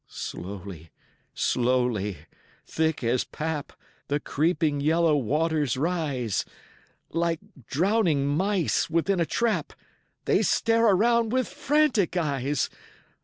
Slowly, slowly, thick as pap, The creeping yellow waters rise; Like drowning mice within a trap, They stare around with frantic eyes.